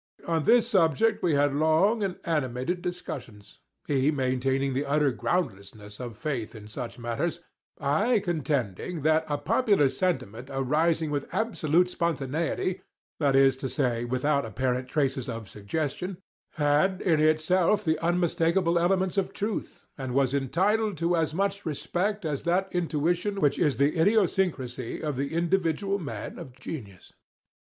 On this subject we had long and animated discussions—he maintaining the utter groundlessness of faith in such matters,—I contending that a popular sentiment arising with absolute spontaneity—that is to say, without apparent traces of suggestion—had in itself the unmistakable elements of truth, and was entitled to as much respect as that intuition which is the idiosyncrasy of the individual man of genius.